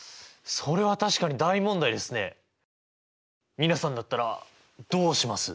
皆さんだったらどうします？